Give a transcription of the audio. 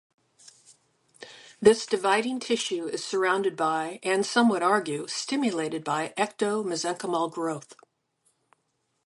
This dividing tissue is surrounded by and, some would argue, stimulated by ectomesenchymal growth.